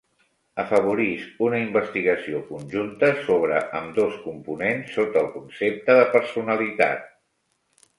Afavorisc una investigació conjunta sobre ambdós components sota el concepte de personalitat.